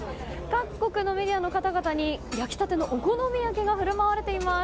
各国のメディアの方々に焼き立てのお好み焼きが振る舞われています。